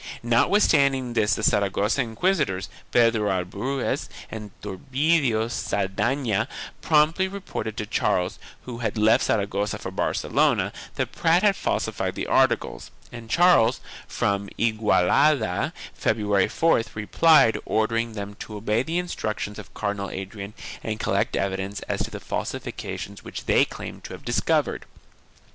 Notwithstanding this the Saragossa inquisitors, Pedro Arbues and Toribio Saldana promptly reported to Charles, who had left Saragossa for Barcelona, that Prat had falsified the articles and Charles, from Igualada, Feb rurary 4th, replied ordering them to obey the instructions of Car dinal Adrian and collect evidence as to the falsifications which they claimed to have discovered.